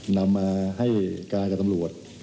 นำมาให้การกับตำรวจ